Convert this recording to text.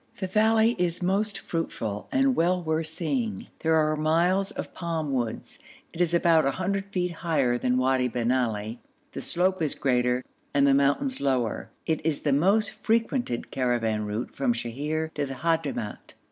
The valley is most fruitful and well worth seeing; there are miles of palm woods; it is about 100 feet higher than Wadi bin Ali, the slope is greater and the mountains lower; it is the most frequented caravan route from Sheher to the Hadhramout.